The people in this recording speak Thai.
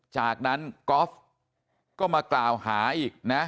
จากนั้นก๊อฟก็มากล่าวหาอีกนะ